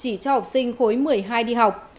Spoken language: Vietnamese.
chỉ cho học sinh khối một mươi hai đi học